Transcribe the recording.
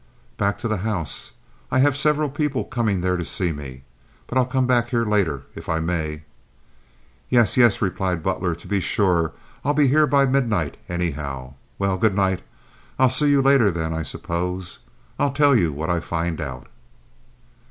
"Back to the house. I have several people coming there to see me. But I'll come back here later, if I may." "Yes, yes," replied Butler. "To be sure I'll be here by midnight, anyhow. Well, good night. I'll see you later, then, I suppose. I'll tell you what I find out."